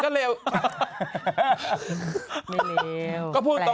จังหรือเปล่าจังหรือเปล่า